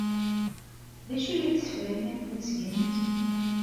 D acu ay la tessefrayemt ad t-tgemt?